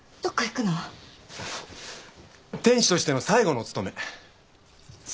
天使としての最後のお務め。